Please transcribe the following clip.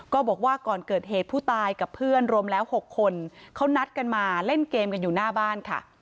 บอกว่าก่อนเกิดเหตุผู้ตายกับเพื่อนรวมแล้ว๖คนเขานัดกันมาเล่นเกมกันอยู่หน้าบ้านค่ะ